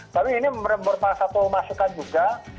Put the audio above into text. tapi ini merupakan satu masukan juga